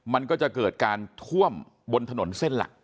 มันก็จะเกิดการท่วมบนถนนเส้นหลัก